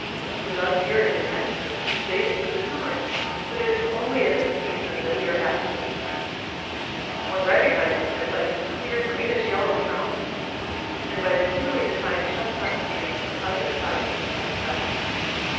With us here in New Hampshire, he stays through the summer, but it is only at this season that we are apt to meet him. One recognizes him by his clear greenish yellow crown and by the clearly defined chestnut streak on either side of his white vest.